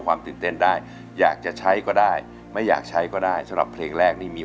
ตื่นเต้นได้อยากจะใช้ก็ได้ไม่อยากใช้ก็ได้สำหรับเพลงแรกนี่มี